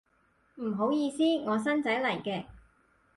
唔好意思，我新仔嚟嘅